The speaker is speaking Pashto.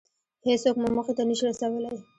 هېڅوک مو موخې ته نشي رسولی.